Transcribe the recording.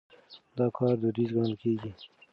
دا کار دوديز ګڼل کېږي.